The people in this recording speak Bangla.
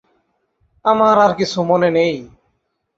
আমার আর কিছু মনে নেই।